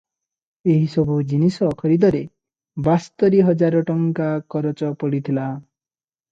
ଏହିସବୁ ଜିନିଷ ଖରିଦରେ ବାସ୍ତରି ହଜାର ଟଙ୍କା କରଚ ପଡ଼ିଥିଲା ।